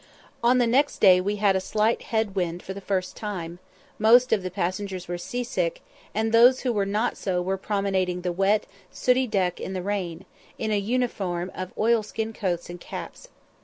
On the next day we had a slight head wind for the first time; most of the passengers were sea sick, and those who were not so were promenading the wet, sooty deck in the rain, in a uniform of oilskin coats and caps.